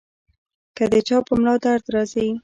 کۀ د چا پۀ ملا درد راځي -